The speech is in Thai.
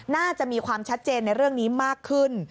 น่าจะมีความชัดเจนในเรื่องนี้มากขึ้น